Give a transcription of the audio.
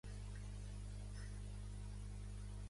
El poble Motu més gran és Hanuabada, al nord-oest de Port Moresby.